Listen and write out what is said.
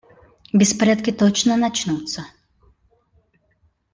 Беспорядки точно начнутся.